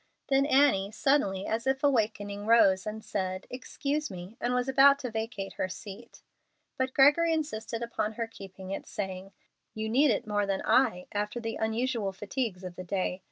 Then Annie, suddenly, as if awakening, rose and said, "Excuse me," and was about to vacate her seat. But Gregory insisted upon her keeping it, saying, "You need it more than I, after the unusual fatigues of the day.